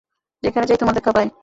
যেখানেই যাই তোমার দেখা পাই।